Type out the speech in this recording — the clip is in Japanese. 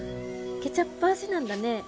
ケチャップ味なんだね。